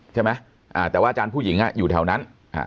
ใช่ไหมอ่าแต่ว่าอาจารย์ผู้หญิงอยู่แถวนั้น